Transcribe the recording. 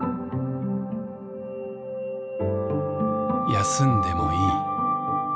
休んでもいい。